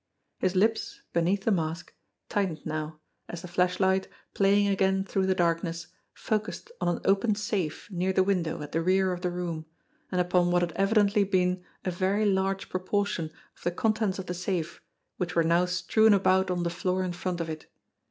His lips, beneath the mask, tightened now, as the flash light, playing again through the darkness, focused on an open safe near the window at the rear of the room, and upon what had evidently been a very large proportion of the con tents of the safe which were now strewn about on the floor in front of it.